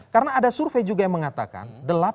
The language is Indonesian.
karena ada survei juga yang mengatakan